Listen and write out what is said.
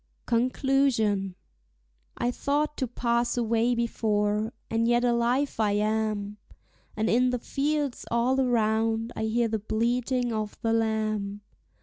CONCLUSION. I thought to pass away before, and yet alive I am; And in the fields all around I hear the bleating of the lamb.